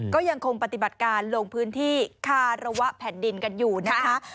ก็ยังคงปฏิบัติการลงพื้นที่คาระวะแผ่นดินกันอยู่นะคะ